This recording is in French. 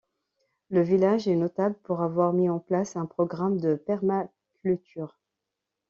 Le village est notable pour avoir mis en place un programme de permaculture.